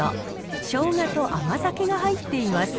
しょうがと甘酒が入っています。